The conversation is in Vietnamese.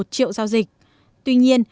một mươi một triệu giao dịch tuy nhiên